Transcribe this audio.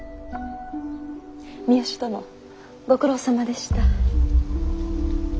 三善殿ご苦労さまでした。